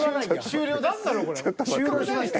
終了しました。